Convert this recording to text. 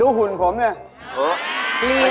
หุ่นผมเนี่ย